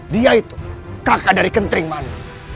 dia itu kakak dari kenting manik